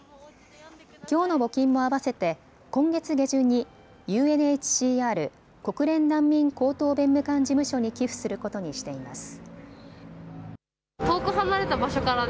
きょうの募金も合わせて今月下旬にＵＮＨＣＲ・国連難民高等弁務官事務所に寄付することにしています。